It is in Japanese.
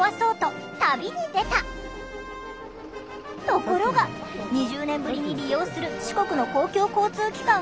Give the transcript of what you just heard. ところが２０年ぶりに利用する四国の公共交通機関は想定外の連続。